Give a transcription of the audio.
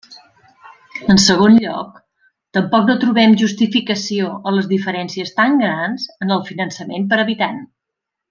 En segon lloc, tampoc no trobem justificació a les diferències tan grans en el finançament per habitant.